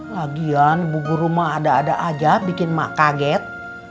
lagian bubur rumah ada ada aja bikin mak kaget